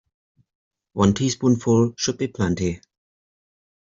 One teaspoonful should be plenty.